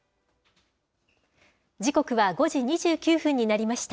時刻は５時２９分になりました。